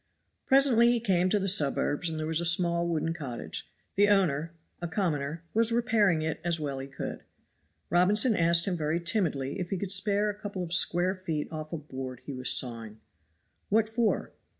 Presently he came to the suburbs and there was a small wooden cottage. The owner, a common laborer, was repairing it as well as he could. Robinson asked him very timidly if he could spare a couple of square feet off a board he was sawing. "What for?"